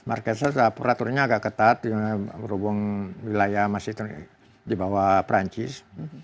marquesternya agak ketat berhubung wilayah masih di bawah perancis